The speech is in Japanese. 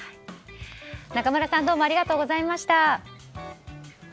仲村さんどうもありがとうございました。